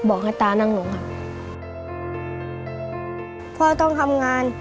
บอกให้ตานั่งลงค่ะพ่อต้องทำงาน